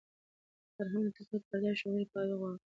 فرهنګ د تقلید پر ځای شعوري پوهاوی غواړي.